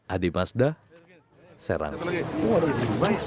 hai adi mazda serangkut